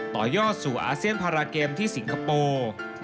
ต่อยอดสู่อาเซียนพาราเกมที่สิงคโปร์